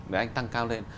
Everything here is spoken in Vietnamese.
để anh tăng cao lên